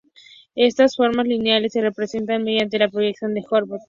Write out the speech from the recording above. Estas formas lineales se representan mediante la proyección de Haworth.